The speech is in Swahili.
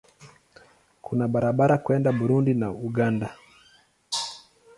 Kuna barabara kwenda Burundi na Uganda.